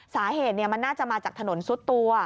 สาเหตุมันน่าจะมาจากถนนซุดตัว